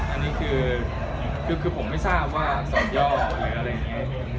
อันนี้คือผมไม่ทราบว่าสอนย่อหรืออะไรอย่างนี้